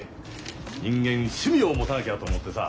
人間趣味を持たなきゃと思ってさ。